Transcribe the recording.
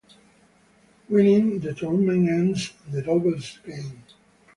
Winning the tournament ends the doubles game.